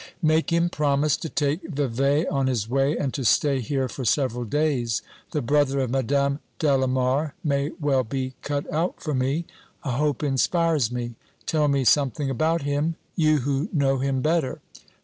Make him promise to take Vevey on his way, and to stay here for several days. The brother of Madame Dellemar may well be cut out for me. A hope inspires me. Tell me something about him — you who know him better.